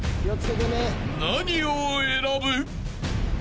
［何を選ぶ？］